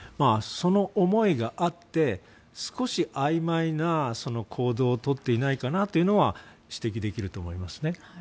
その思いがあって少しあいまいな行動をとっていないかなというのは指摘できるかなと思います。